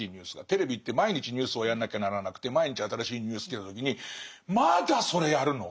テレビって毎日ニュースをやんなきゃならなくて毎日新しいニュースきた時にまだそれやるの？